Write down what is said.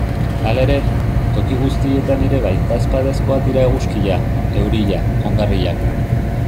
Hala ere, toki guztietan ere baitezpadakoak dira eguzkia, euria, ongarriak...